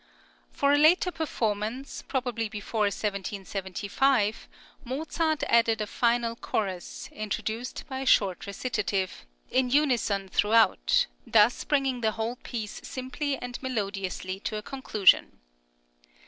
For a later performance, probably before 1775, Mozart added a final chorus, introduced by a short recitative, in unjson throughout, thus bringing the whole piece simply and melodiously to a conclusion.